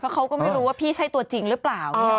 เขาก็ไม่รู้ว่าพี่ใช่ตัวจริงหรือเปล่า